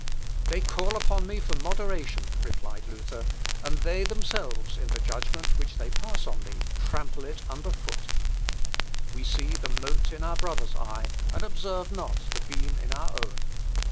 "They call upon me for moderation," replied Luther, "and they themselves, in the judgment which they pass upon me, trample it under foot!... We see the mote in our brother's eye, and observe not the beam in our own....